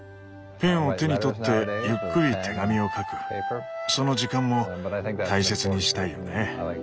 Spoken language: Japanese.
ペンを手に取ってゆっくり手紙を書くその時間も大切にしたいよね。